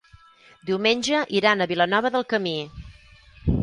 Diumenge iran a Vilanova del Camí.